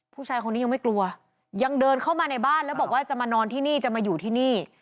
ผู้ชายคนนี้ยังไม่กลัวยังเดินเข้ามาในบ้านแล้วบอกว่าจะมานอนที่นี่จะมาอยู่ที่นี่